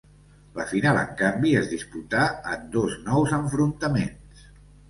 La final, en canvi, es disputà en dos nous enfrontaments.